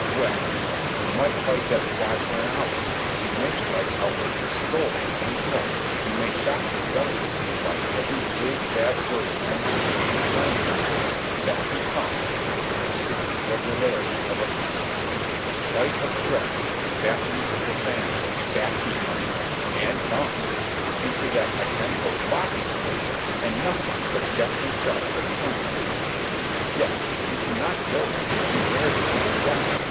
Well ! You might fight that fly for an hour, you may strike out with your soul in every blow, you may shock his delicacy by every big, bad word known to the English language — and back he comes with the persistent regularity of a pendulum ; spite of threats and battling and profanity, back he comes !! and comes !!! into that identical spot he comes, and nothing but Death himself will turn him from it! Death ! you cannot kill him ; he bears a charmed life.